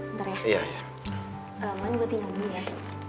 ntar ya kelamin gue tinggal dulu ya